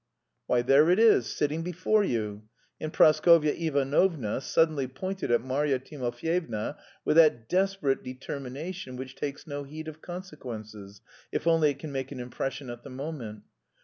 "Why there it is, sitting before you!" and Praskovya Ivanovna suddenly pointed at Marya Timofyevna with that desperate determination which takes no heed of consequences, if only it can make an impression at the moment.